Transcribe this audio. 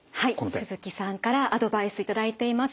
はい鈴木さんからアドバイス頂いています。